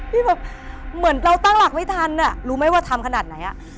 แบบเหมือนเราตั้งหลักไม่ทันอ่ะรู้ไหมว่าทำขนาดไหนอ่ะ